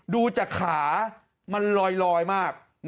ดูจากขามันลอยมาก